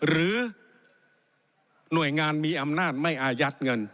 หรือหน่วยงานมีอำนาจไม่อายัดเงิน